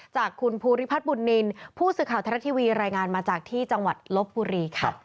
จากคุณภูริพัฒน์บุญนินทร์ผู้สื่อข่าวไทยรัฐทีวีรายงานมาจากที่จังหวัดลบบุรีค่ะ